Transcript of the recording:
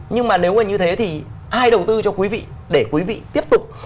nhưng mà nếu như thế thì hay đầu tư cho quý vị để quý vị tiếp tục